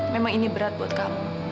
memang ini berat buat kamu